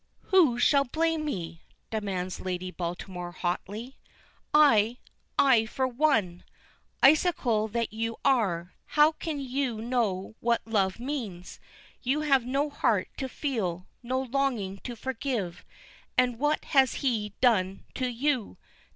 "Who shall blame me?" demands Lady Baltimore haughtily. "I I for one! Icicle that you are, how can you know what love means? You have no heart to feel, no longing to forgive. And what has he done to you?